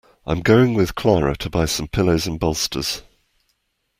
I'm going with Clara to buy some pillows and bolsters.